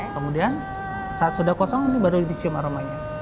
kemudian saat sudah kosong ini baru dicium aromanya